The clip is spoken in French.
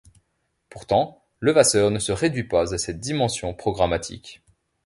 Pourtant, Levasseur ne se réduit pas à cette dimension programmatique.